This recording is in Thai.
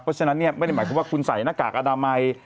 เพราะฉะนั้นไม่ได้หมายความว่าคุณใส่หน้ากากอนามัย